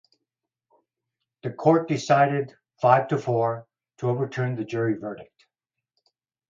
The Court decided five-to-four to overturn the jury verdict.